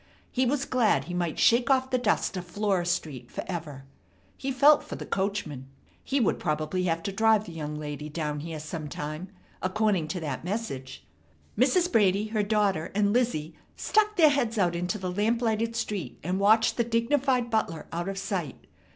He was glad he might shake off the dust of Flora Street forever. He felt for the coachman. He would probably have to drive the young lady down here sometime, according to that message. Mrs. Brady, her daughter, and Lizzie stuck their heads out into the lamplighted street, and watched the dignified butler out of sight.